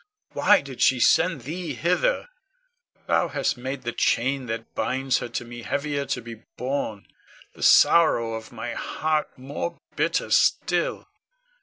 Why did she send thee hither? Thou hast made the chain that binds her to me heavier to be borne; the sorrow of my heart more bitter still.